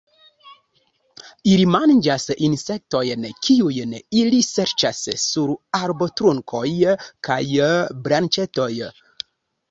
Ili manĝas insektojn, kiujn ili serĉas sur arbotrunkoj kaj branĉetoj.